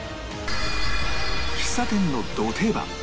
喫茶店のど定番